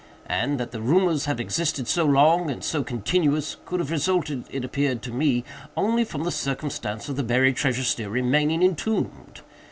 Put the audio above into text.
And that the rumors have existed so long and so continuous, could have resulted, it appeared to me, only from the circumstance of the buried treasure still remaining entombed.